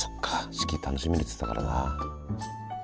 四季楽しみにっつってたからな。